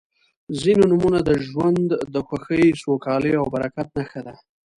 •ځینې نومونه د ژوند د خوښۍ، سوکالۍ او برکت نښه ده.